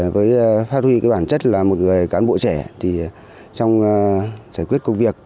với phát huy bản chất là một người cán bộ trẻ thì trong giải quyết công việc